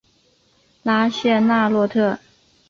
拉谢纳洛特。